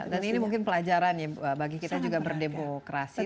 dan ini mungkin pelajaran ya bagi kita juga berdemokrasi